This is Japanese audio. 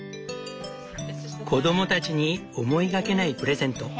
子供たちに思いがけないプレゼント。